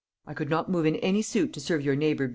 I could not move in any suit to serve your neighbour B.